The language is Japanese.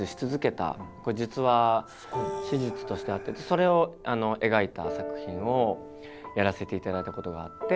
それを描いた作品をやらせていただいたことがあって。